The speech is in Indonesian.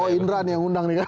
oh indra nih yang undang nih kan